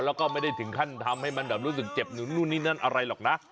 แล้วก็ไม่ได้ถึงขั้นทำให้มันแบบรู้สึกเจ็บนู่นนี่นั่นอะไรหรอกนะ